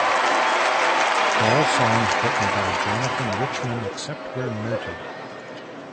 All songs written by Jonathan Richman, except where noted.